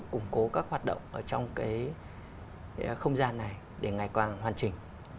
tiếp tục cố các hoạt động ở trong cái không gian này để ngày càng hoàn chỉnh